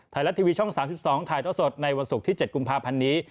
ไทยรัฐทีวีช่อง๓๒ถ่ายเท่าสดในวันศุกร์ที่๗กุมภาพันธ์นี้